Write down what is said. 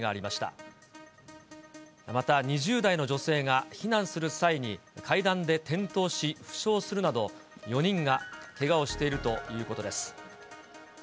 また２０代の女性が避難する際に、階段で転倒し、負傷するなど、４人がけがをしているということです。